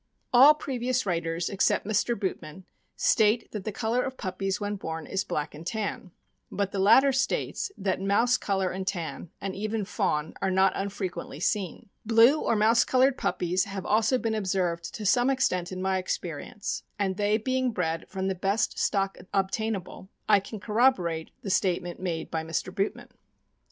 All previous writers, except Mr. Bootman, state that the color of puppies when born is black and tan; but the latter states that "mouse color and tan, and even fawn, are not unfrequently seen/' Blue or mouse colored puppies have also been observed to some extent in my experience, and they being bred from the best stock obtainable, I can cor roborate the statement made by Mr. Bootman.